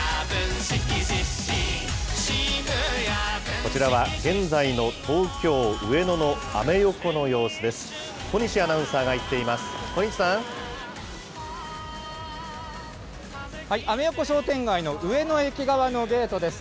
こちらは、現在の東京・上野のアメ横の様子です。